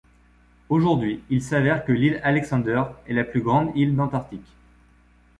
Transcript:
Aujourd'hui il s'avère que l'île Alexander est la plus grande île d’Antarctique.